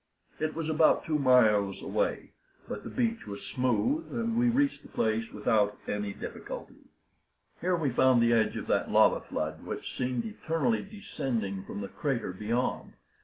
It was about two miles away; but the beach was smooth, and we reached the place without any difficulty. Here we found the edge of that lava flood which seemed eternally descending from the crater beyond.